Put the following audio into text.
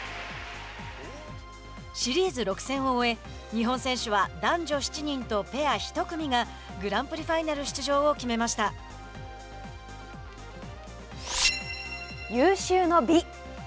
シリーズ６戦を終え日本選手は男女７人とペア１組がグランプリファイナル出場を有終の美。